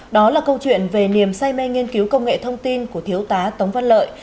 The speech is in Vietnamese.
đó là câu chuyện về niềm say mê nghiên cứu công nghệ thông tin của thiếu tá tống văn lợi